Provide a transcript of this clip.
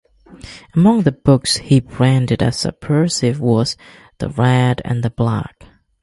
Among the books he branded as subversive was "The Red and the Black".